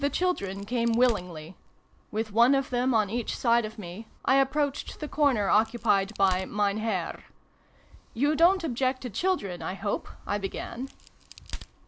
THE children came willingly. With one of them on each side of me, I approached the corner occupied by ' Mein Herr.' " You don't object to children, I hope ?" I began.